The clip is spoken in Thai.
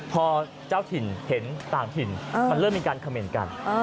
พอเจ้าถิ่นเห็นต่างถิ่นมันเริ่มมีการเขม่นกัน